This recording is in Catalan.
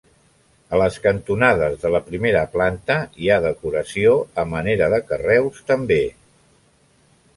A les cantonades de la primera planta hi ha decoració a manera de carreus també.